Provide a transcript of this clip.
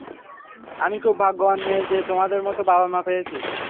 আমি খুব ভাগ্যবান মেয়ে যে তোমাদের মতো বাবা-মা পেয়েছি।